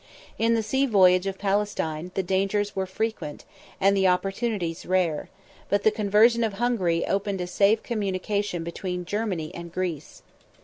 70 In the sea voyage of Palestine, the dangers were frequent, and the opportunities rare: but the conversion of Hungary opened a safe communication between Germany and Greece.